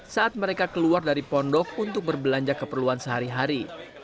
saat mereka keluar dari pondok untuk berbelanja keperluan sehari hari